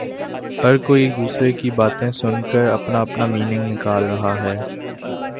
ہر کوئی ایک دوسرے کی باتیں سن کر اپنا اپنا مینینگ نکال رہا ہے